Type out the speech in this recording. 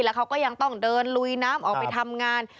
แล้วเขาก็ยังต้องเดินลุยน้ำออกไปทำงาน